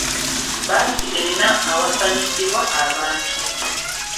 Bbaasi erina awasanyusibwa abantu.